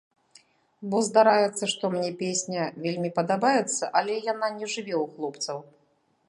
Бо здараецца, што мне песня вельмі падабаецца, але яна не жыве ў хлопцаў!